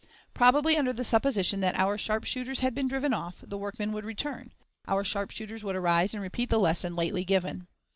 Probably under the supposition that our sharpshooters had been driven off, the workmen would return; our sharpshooters would arise and repeat the lesson lately given.